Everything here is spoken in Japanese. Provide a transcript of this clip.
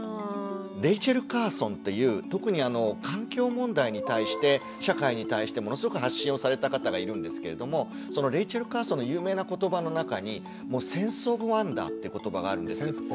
レイチェル・カーソンっていう特に環境問題に対して社会に対してものすごく発信をされた方がいるんですけれどもそのレイチェル・カーソンの有名な言葉の中に「センス・オブ・ワンダー」って言葉があるんです。